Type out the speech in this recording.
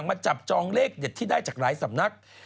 มาจับจองเลขเด็ดที่ได้จากหลายสำนัก